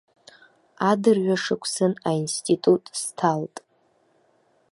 Адырҩашықәсан аинститут сҭалт.